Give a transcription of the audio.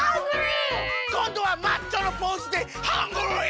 こんどはマッチョのポーズでハングリー！